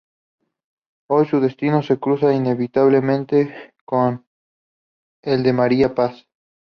Hoy su destino se cruzará inevitablemente con el de María Paz.